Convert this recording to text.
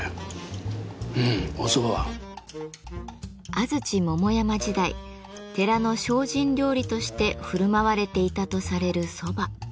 安土桃山時代寺の精進料理として振る舞われていたとされる蕎麦。